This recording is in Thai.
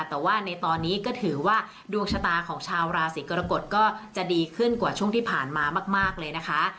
แต่ว่าในตอนนี้ก็ถือว่าดวงชะตาของชาวราศีกรกฎก็จะดีขึ้นกว่าช่วงที่ผ่านมามากเลยนะคะ